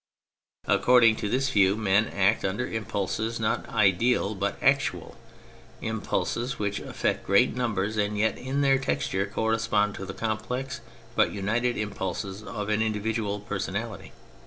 According to this view men act under impulses not ideal but actual : impulses which affect great numbers and yet in their texture correspond to the complex but united impulses of an individual personality.